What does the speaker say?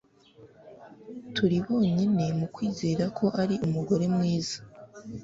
Turi bonyine mu kwizera ko ari umugore mwiza